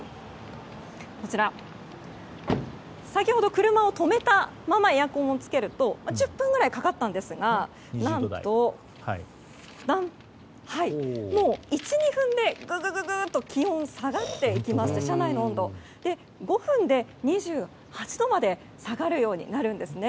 先ほど、車を止めたままエアコンをつけると１０分ぐらいかかったんですが何と、１２分でググっと気温が下がっていきまして車内の温度が５分で２８度まで下がるようになるんですね。